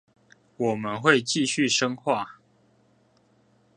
我們會繼續深化